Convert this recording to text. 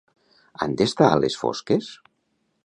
Han d'estar a les fosques?